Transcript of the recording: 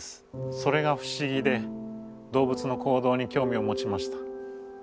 それが不思議で動物の行動に興味を持ちました。